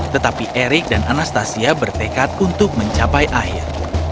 tetapi erik dan anastasia bertekad untuk mencapai air